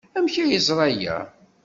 Amek ay yeẓra aya?